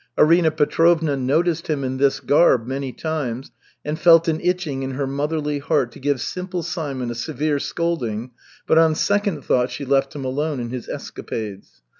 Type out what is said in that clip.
Arina Petrovna noticed him in this garb many times, and felt an itching in her motherly heart to give Simple Simon a severe scolding, but on second thought she left him alone in his escapades.